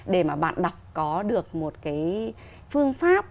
để mà bạn đọc có được một cái phương pháp